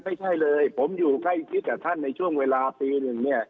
ไม่ใช่เลยผมอยู่ใกล้ชิดกับท่านในช่วงเวลาปีหนึ่งเนี่ย